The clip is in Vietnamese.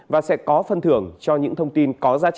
và sẽ có phân thưởng cho những thông tin